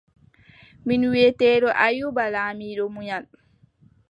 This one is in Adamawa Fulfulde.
Min wiʼeteeɗo Ayuuba laamiɗo munyal.